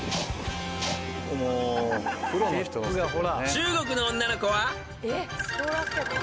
［中国の女の子は］